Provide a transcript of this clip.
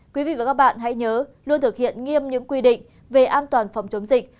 quý vị và các bạn hãy nhớ luôn thực hiện nghiêm những quy định về an toàn phòng chống dịch